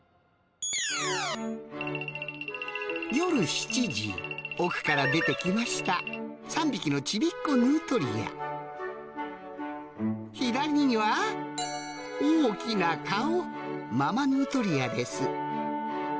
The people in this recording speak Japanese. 夜７時奥から出て来ました３匹のちびっ子ヌートリア左には大きな顔ママヌートリアです